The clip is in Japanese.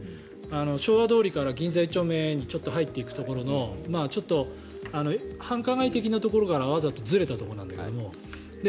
昭和通りから銀座１丁目にちょっと入っていくところのちょっと繁華街的なところからわざとずれたところなんだけど。